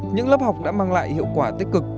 những lớp học đã mang lại hiệu quả tích cực